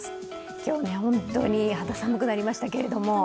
今日は本当に肌寒くなりましたけども。